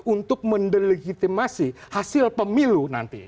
untuk mendelegitimasi hasil pemilu nanti